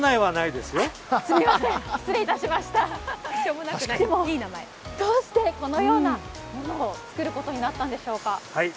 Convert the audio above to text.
でも、どうしてこのようなものを作ることになったんでしょうか。